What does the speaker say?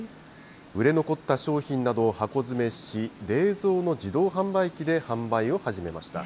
売れ残った商品などを箱詰めし、冷蔵の自動販売機で販売を始めました。